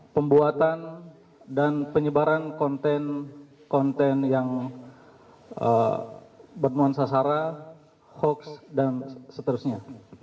pembuatan dan penyebaran konten konten yang bernuansa sara hoax dan seterusnya